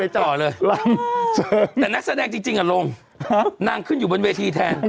แต่นักแสดงจริงอ่ะลงนางขึ้นอยู่บนเวทีแทน